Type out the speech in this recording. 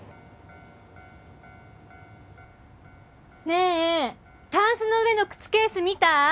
ねえタンスの上の靴ケース見た？